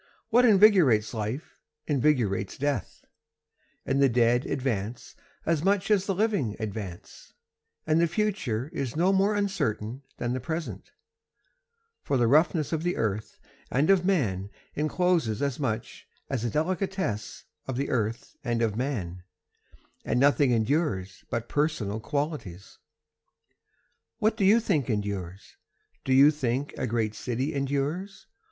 What invigorates life invigorates death, And the dead advance as much as the living advance, And the future is no more uncertain than the present, For the roughness of the earth and of man encloses as much as the delicatesse of the earth and of man, And nothing endures but personal qualities. What do you think endures? Do you think a great city endures?